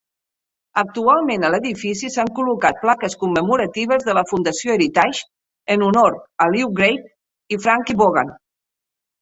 Actualment, a l'edifici s'han col·locat plaques commemoratives de la Fundació Heritage en honor a Lew Grade i Frankie Vaughan.